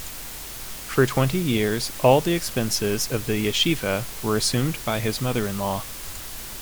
For twenty years all the expenses of the yeshiva were assumed by his mother-in-law.